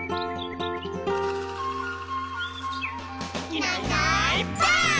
「いないいないばあっ！」